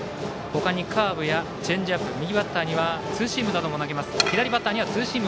他にカーブやチェンジアップ左バッターにはツーシームを投げます。